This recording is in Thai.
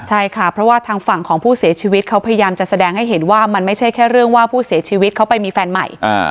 ใช่ค่ะเพราะว่าทางฝั่งของผู้เสียชีวิตเขาพยายามจะแสดงให้เห็นว่ามันไม่ใช่แค่เรื่องว่าผู้เสียชีวิตเขาไปมีแฟนใหม่